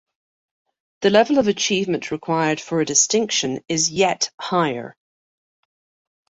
The level of achievement required for a distinction is yet higher.